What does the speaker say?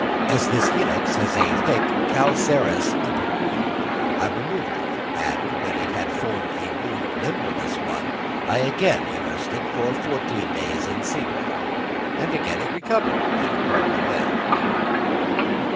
As this Helix has a thick calcareous operculum I removed it, and when it had formed a new membranous one, I again immersed it for fourteen days in sea water, and again it recovered and crawled away.